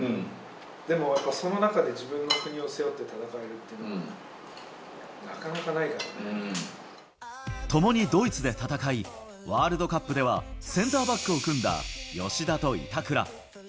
でもその中で、自分の国を背負って戦えるっていうのも、なかなかともにドイツで戦い、ワールドカップでは、センターバックを組んだ吉田と板倉。